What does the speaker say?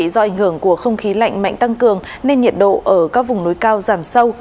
do ảnh hưởng của không khí lạnh mạnh tăng cường nên nhiệt độ ở các vùng núi cao giảm sâu